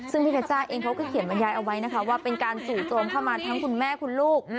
ซึ่งพี่เพชจ้าเองเขาก็เขียนบรรยายเอาไว้นะคะว่าเป็นการจู่โจมเข้ามาทั้งคุณแม่คุณลูก